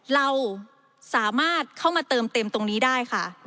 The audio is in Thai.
เราสามารถเข้ามาเติมเต็มตรงนี้ได้ค่ะ